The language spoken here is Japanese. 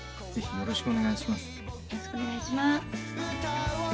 よろしくお願いします！